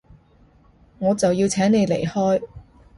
我就要請你離開